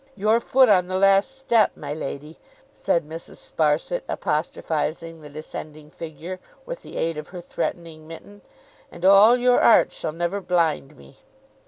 'Your foot on the last step, my lady,' said Mrs. Sparsit, apostrophizing the descending figure, with the aid of her threatening mitten, 'and all your art shall never blind me.